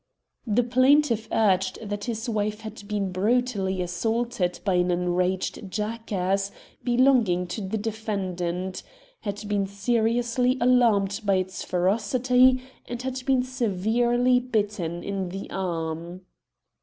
The plaintiff urged that his wife had been brut ally assaulted by an enraged jackass belonging to the. defendant, had been seriously alarmed by its ferocity, and had been severely bitten in the arm.